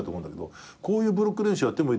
こういうブロック練習やってもいいですか？